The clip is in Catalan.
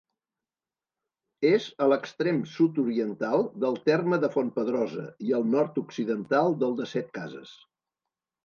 És a l'extrem sud-oriental del terme de Fontpedrosa i al nord-occidental del de Setcases.